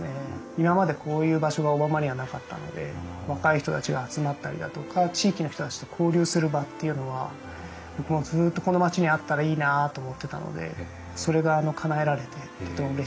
今までこういう場所が小浜にはなかったので若い人たちが集まったりだとか地域の人たちと交流する場というのは僕もずっとこの町にあったらいいなと思ってたのでそれがかなえられてとってもうれしいですね。